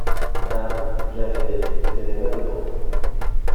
Dame !… il avait… il avait… mal aux dents.